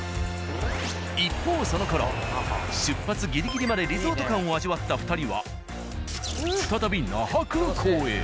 一方そのころ出発ギリギリまでリゾート感を味わった２人は再び那覇空港へ。